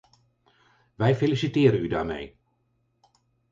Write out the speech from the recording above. Wij feliciteren u daarmee.